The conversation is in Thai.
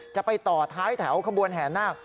จะไปต่อท้ายแถวขบวนแห่นาค